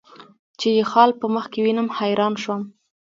چې یې خال په مخ کې وینم، حیران شوم.